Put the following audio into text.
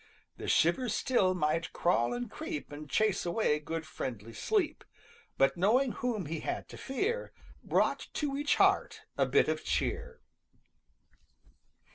The shivers still might crawl and creep And chase away good friendly Sleep, But knowing whom he had to fear Brought to each heart a bit of cheer.